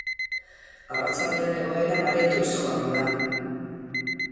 Arratsaldean egoera baretuz joango da.